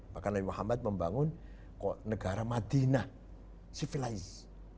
bahkan nabi muhammad membangun negara madinah civilized